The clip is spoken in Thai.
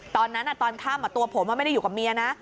ตอนนั้นตอนข้ามตัวผมไม่ได้อยู่กับเมียนะ